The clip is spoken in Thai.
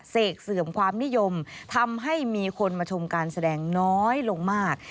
เสกเสื่อมความนิยมทำให้มีคนมาชมการแสดงน้อยลงมาก